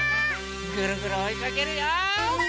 ぐるぐるおいかけるよ！